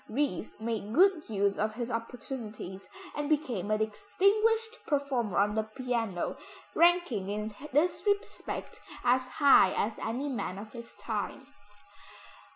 Ries made good use of his opportunities, and became a distinguished performer on the piano, ranking in this respect as high as any man of his time.